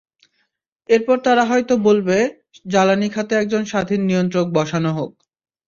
এরপর তারা হয়তো বলবে, জ্বালানি খাতে একজন স্বাধীন নিয়ন্ত্রক বসানো হোক।